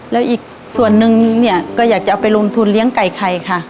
แล้วอีกส่วนนึงเนี่ยก็อยากจะเอาไปลงทุนเลี้ยงไก่ไข่ค่ะ